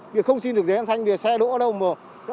bây giờ không xin được giấy ăn xanh bây giờ xe đỗ đâu mà